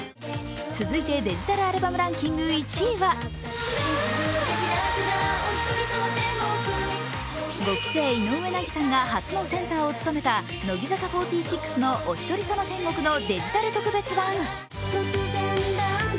続いてデジタルアルバムランキング１位は五期生・井上和さんが初のセンターを務めた乃木坂４６の「おひとりさま天国」のデジタル特別版。